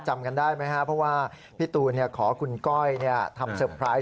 จำกันได้ไหมครับเพราะว่าพี่ตูนขอคุณก้อยทำเซอร์ไพรส์